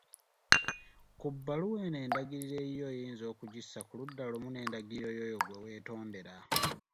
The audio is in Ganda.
Ku bbaluwa eno endagiriro eyiyo oyinza okugissa ku ludda lumu n’endagiriro y’oyo gwe weetondera.